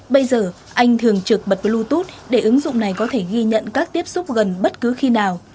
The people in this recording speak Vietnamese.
bây giờ anh thường trực bật bluetooth để ứng dụng này có thể ghi nhận các tiếp xúc gần bất cứ khi nào